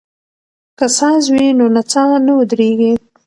که ساز وي نو نڅا نه ودریږي.